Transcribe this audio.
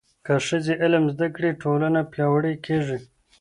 که ښځې علم زده کړي، ټولنه پیاوړې کېږي.